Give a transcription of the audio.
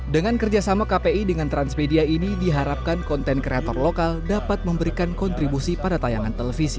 dengan kerjasama kpi dengan transmedia ini diharapkan konten kreator lokal dapat memberikan kontribusi pada tayangan televisi